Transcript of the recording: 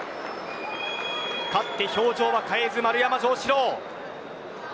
勝手表情は変えず丸山城志郎。